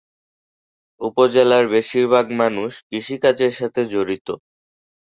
উপজেলার বেশির ভাগ মানুষ কৃষি কাজের সাথে জড়িত।